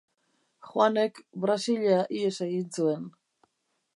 Joanek Brasila ihes egin zuen.